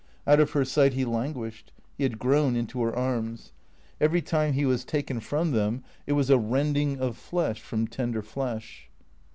Out of her sight he languished. He had grown into her arms. Every time he was taken from them it was a rending of flesh from tender flesh.